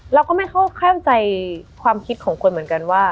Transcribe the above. เราก็ไม่เข้าใจความคิดของคนเหมือนกันว่า